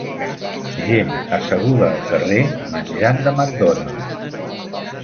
Gent asseguda al carrer menjant de McDonalds.